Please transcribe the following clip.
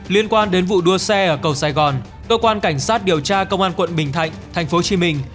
liên quan đến vụ đua xe ở cầu sài gòn cơ quan cảnh sát điều tra công an quận bình thạnh thành phố hồ chí minh